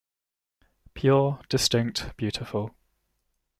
Pure, distinct, beautiful.